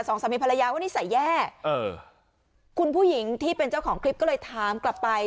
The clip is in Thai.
สองสามีภรรยาว่านิสัยแย่เออคุณผู้หญิงที่เป็นเจ้าของคลิปก็เลยถามกลับไป